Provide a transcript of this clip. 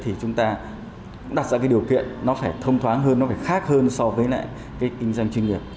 thì chúng ta đặt ra điều kiện nó phải thông thoáng hơn nó phải khác hơn so với lại kinh doanh chuyên nghiệp